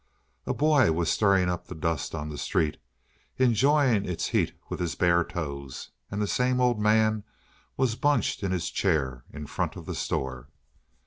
A boy was stirring up the dust of the street, enjoying its heat with his bare toes, and the same old man was bunched in his chair in front of the store.